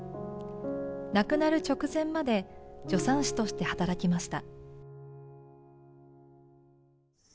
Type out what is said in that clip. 亡くなる直前まで助産師として働きました。